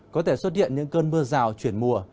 có thể xuất hiện những cơn mưa rào chuyển mùa